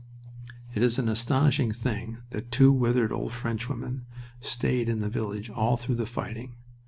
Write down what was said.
It is an astonishing thing that two withered old French women stayed in the village all through the fighting.